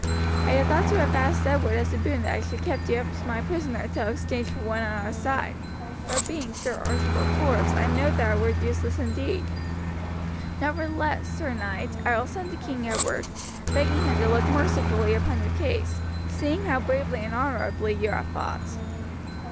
I had thought to have asked Edward as a boon that I should have kept you as my prisoner until exchanged for one on our side, but being Sir Archibald Forbes I know that it were useless indeed; nevertheless, sir knight, I will send to King Edward, begging him to look mercifully upon your case, seeing how bravely and honourably you have fought."